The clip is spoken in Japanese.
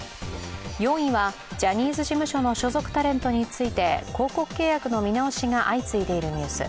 ４位はジャニーズ事務所の所属タレントについて広告契約の見直しが相次いでいるニュース。